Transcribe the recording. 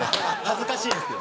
恥ずかしいです。